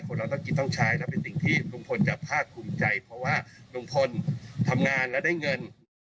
เราต้องกินต้องใช้แล้วเป็นสิ่งที่ลุงพลจะภาคภูมิใจเพราะว่าลุงพลทำงานแล้วได้เงิน